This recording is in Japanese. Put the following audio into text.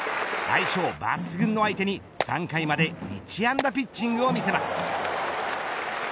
相性抜群の相手に３回まで１安打ピッチングを見せます。